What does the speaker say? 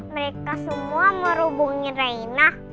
mereka semua mau rumbungin reina